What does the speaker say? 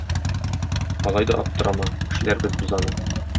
Алай да аптырама, эшләрбез без аны.